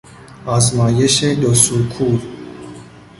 آزمایش دو سوکور